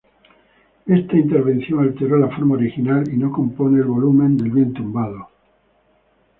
Esa intervención alteró la forma original y no compone el volumen del bien tumbado.